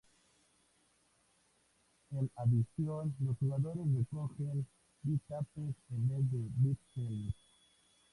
En adición, los jugadores recogen "V-Tapes" en vez de "V-films".